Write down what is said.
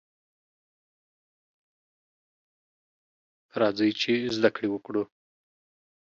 راځئ ! چې زده کړې وکړو.